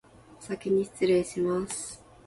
おさきにしつれいします